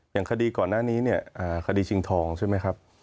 อย่างคดีก่อนหน้านี้เนี่ยคดีชิงทองใช่ไหมครับ